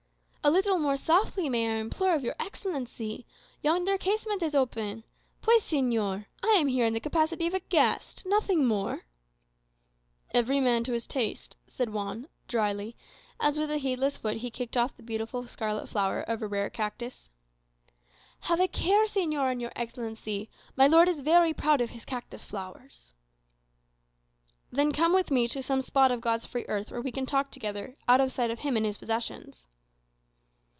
"A little more softly, may I implore of your Excellency? Yonder casement is open. Pues,[#] señor, I am here in the capacity of a guest. Nothing more." [#] Well, or well thou. "Every man to his taste," said Juan, drily, as with a heedless foot he kicked off the beautiful scarlet flower of a rare cactus. "Have a care, señor and your Excellency; my lord is very proud of his cactus flowers." "Then come with me to some spot of God's free earth where we can talk together, out of sight of him and his possessions."